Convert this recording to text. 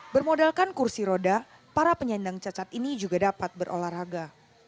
bermodalkan kursi roda para penyandang cacat ini juga dapat berolahraga